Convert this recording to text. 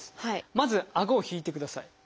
まずあごを引いてください。